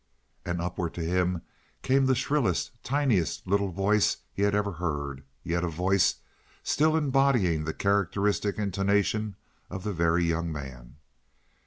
And upward to him came the shrillest, tiniest little voice he had ever heard, yet a voice still embodying the characteristic intonation of the Very Young Man.